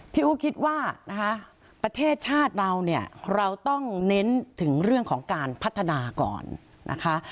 อู๋คิดว่านะคะประเทศชาติเราเนี่ยเราต้องเน้นถึงเรื่องของการพัฒนาก่อนนะคะ